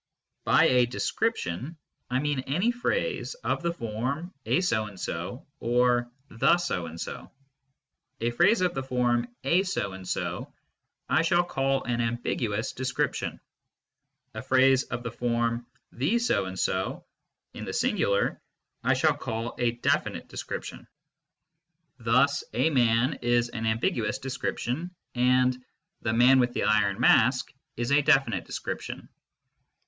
By a " description " I mean any phrase of the form "a so and so " or " the so and so." A phrase of the form ^j^feo and^sp " I shall call an " ambiguous " description ; a phrase of the form " the so and so " (in the singular) I ^jO shall call a "definite " description, yfih us "a man " is an ambiguous description, and " the man with the iron mask " is a definite description.